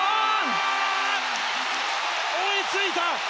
追いついた！